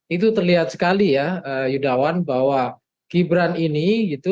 itu terlihat sekali ya yudawan bahwa gibran ini gitu